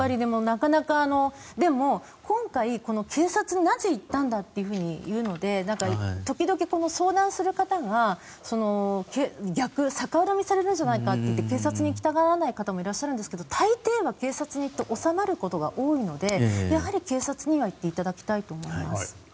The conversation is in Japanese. でも今回この警察に、なぜ言ったんだというふうに言うので時々、相談する方が逆恨みされるんじゃないかって警察に来たがらない方もいらっしゃるんですけど大抵は警察に行くと収まることが多いのでやはり警察には行っていただきたいと思います。